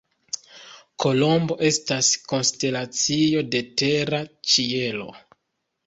Kolombo estas konstelacio de tera ĉielo.